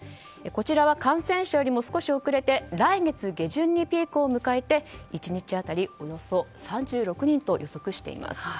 こちらは感染者より少し遅れて来月下旬にピークを迎えて１日当たりおよそ３６人と予測しています。